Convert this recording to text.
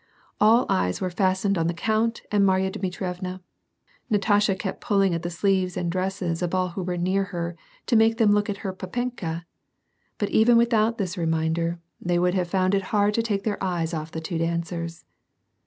All eyes were fastened on the count and Marya Dmitrievna. Natasha kept pulling at the sleeves and dresses of all who were near her to make them look at her papenka, but even without this reminder they would have found it hard to take their eyes off the two dancers.